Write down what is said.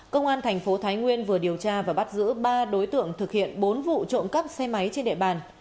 công an thành phố thái nguyên vừa điều tra và bắt giữ ba đối tượng thực hiện bốn vụ trộm cắp xe máy trên địa bàn